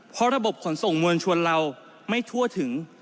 เพราะระบบขนส่งมวลชนเราไม่ทั่วถึง